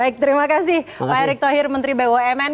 baik terima kasih pak erick thohir menteri bumn